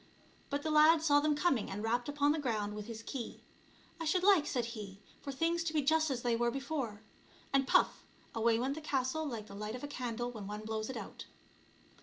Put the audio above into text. But the lad saw them coming, and rapped upon the ground with his key. " I should like," said he, " for things to be just as they were before ;" and puff ! away went the castle like the light of a candle when one blows it out.